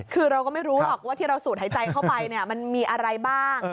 คือเราก็ไม่รู้หรอกว่าที่เราสูดหายใจเข้าไปมันมีอะไรบ้าง